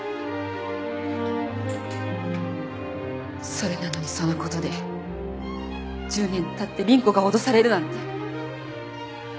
それなのにその事で１０年経って凛子が脅されるなんて。